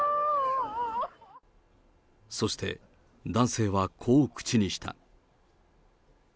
そして、男性はこう口にした。